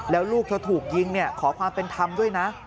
แล้วลูกเธอถูกยิงขอความเป็นธรรมด้วยนะ